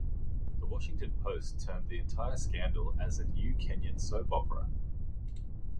The "Washington Post" termed the entire scandal as a "new Kenyan soap opera".